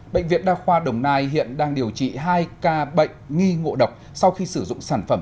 bệnh viện đa khoa đồng nai hiện đang điều trị hai ca bệnh nghi ngộ độc sau khi sử dụng sản phẩm